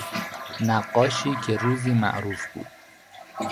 نقاشی که روزی معروف بود